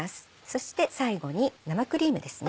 そして最後に生クリームですね。